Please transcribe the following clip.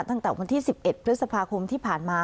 ตั้งแต่วันที่๑๑พฤษภาคมที่ผ่านมา